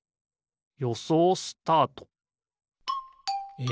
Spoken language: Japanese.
よそうスタート！え